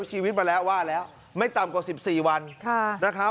ชีวิตมาแล้วว่าแล้วไม่ต่ำกว่า๑๔วันนะครับ